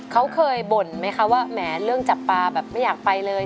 เขาเคยบ่นไหมคะว่าแหมเรื่องจับปลาแบบไม่อยากไปเลย